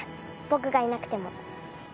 僕がいなくても。